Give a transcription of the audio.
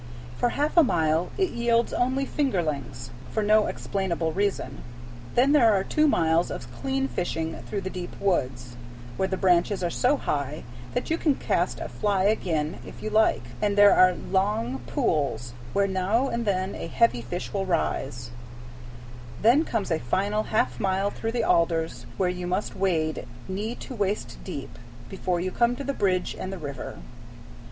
For half a mile it yields only fingerlings, for no explainable reason; then there are two miles of clean fishing through the deep woods, where the branches are so high that you can cast a fly again if you like, and there are long pools, where now and then a heavy fish will rise; then comes a final half mile through the alders, where you must wade, knee to waist deep, before you come to the bridge and the river.